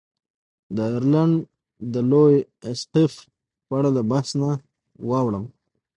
د ایرلنډ د لوی اسقف په اړه له بحث نه واوړم.